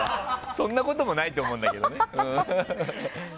そんなこともないと思うんだけどね。